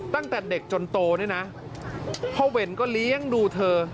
ตั้งแต่เด็กจนโตนี่นะพ่อเวรก็เลี้ยงดูเธอ